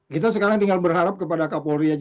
kita sekarang tinggal berharap kepada kak polri aja